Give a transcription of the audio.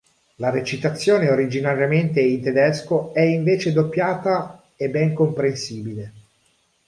La recitazione originariamente in tedesco è invece doppiata e ben comprensibile.